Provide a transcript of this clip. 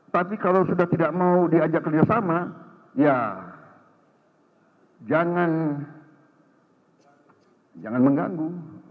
tapi kalau sudah tidak mau diajak kerjasama ya jangan mengganggu